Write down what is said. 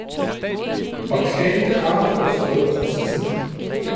Og kay har dog fået prinsessen